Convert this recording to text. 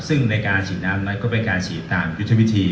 ซึ่งในการฉีดน้ำนั้นก็เป็นการฉีดตามยุทธวิธี